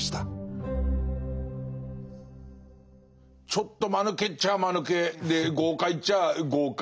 ちょっとまぬけっちゃあまぬけで豪快っちゃあ豪快。